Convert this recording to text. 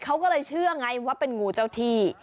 เขาก็เลยเชื่อไงว่าเป็นงูเจ้าที่